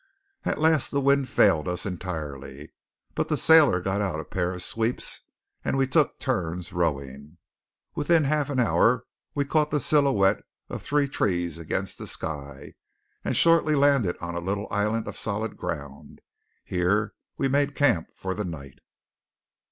At last the wind failed us entirely, but the sailor got out a pair of sweeps, and we took turns rowing. Within a half hour we caught the silhouette of three trees against the sky, and shortly landed on a little island of solid ground. Here we made camp for the night.